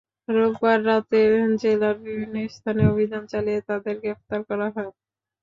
রোববার রাতে জেলার বিভিন্ন স্থানে অভিযান চালিয়ে তাঁদের গ্রেপ্তার করা হয়।